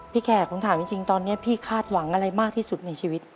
แขกผมถามจริงตอนนี้พี่คาดหวังอะไรมากที่สุดในชีวิต